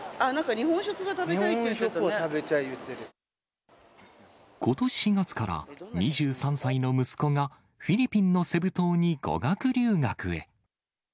日本食を食べたいって言ってことし４月から２３歳の息子がフィリピンのセブ島に語学留学へ。